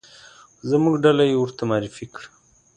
زموږ ډله یې ورته معرفي کړه.